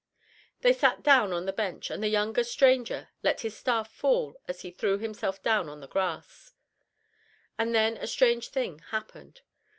They sat down on the bench, and the younger stranger let his staff fall as he threw himself down on the grass, and then a strange thing happened.